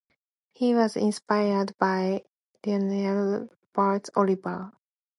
He was inspired by Lionel Bart's Oliver!